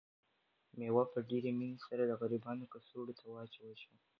مېوه په ډېرې مینې سره د غریبانو کڅوړو ته واچول شوه.